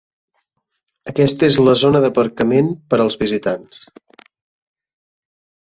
Aquesta és la zona d'aparcament per als visitants.